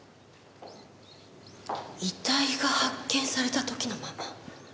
遺体が発見された時のまま。